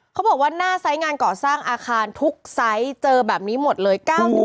เขาบอกว่าหน้าไซส์งานก่อสร้างอาคารทุกไซส์เจอแบบนี้หมดเลย